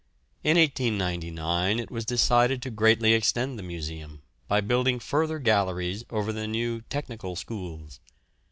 In 1899 it was decided to greatly extend the museum by building further galleries over the new Technical Schools.